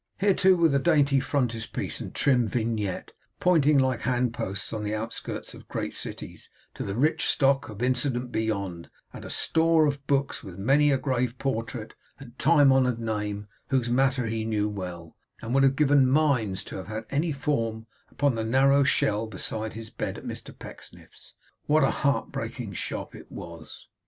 Here too were the dainty frontispiece and trim vignette, pointing like handposts on the outskirts of great cities, to the rich stock of incident beyond; and store of books, with many a grave portrait and time honoured name, whose matter he knew well, and would have given mines to have, in any form, upon the narrow shell beside his bed at Mr Pecksniff's. What a heart breaking shop it was!